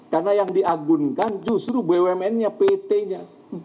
karena yang diagunkan justru bumn nya pt nya